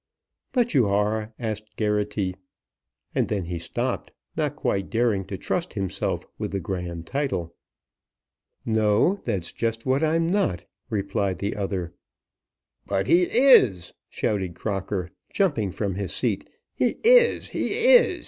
"But you are ?" asked Geraghty; and then he stopped, not quite daring to trust himself with the grand title. "No; that's just what I'm not," replied the other. "But he is," shouted Crocker, jumping from his seat. "He is! He is!